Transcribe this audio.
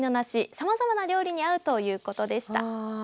さまざまな料理に合うということでした。